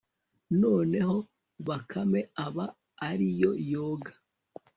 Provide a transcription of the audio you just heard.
noneho bakame aba ari yo yoga